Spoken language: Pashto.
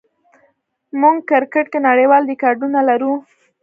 موږ په کرکټ کې نړیوال ریکارډونه لرو.